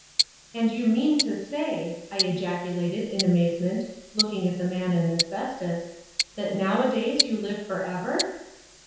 "And you mean to say," I ejaculated in amazement, looking at the Man in Asbestos, "that nowadays you live for ever?"